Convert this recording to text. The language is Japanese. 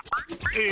え？